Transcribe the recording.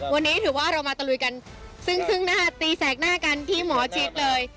วันนี้ถือว่าเรามาตะลุยกันซึ่งซึ่งหน้าตีแสกหน้ากันที่หมอชิดเลย